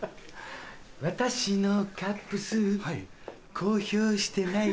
私のカップ数公表してない